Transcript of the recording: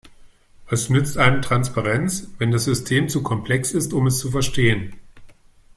Was nützt einem Transparenz, wenn das System zu komplex ist, um es zu verstehen?